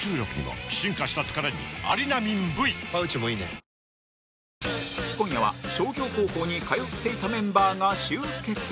お試し容量も今夜は商業高校に通っていたメンバーが集結